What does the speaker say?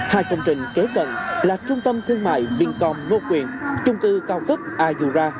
hai công trình kế cận là trung tâm thương mại vincom ngô quyền trung cư cao cấp azura